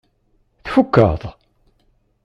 Tfukeḍ?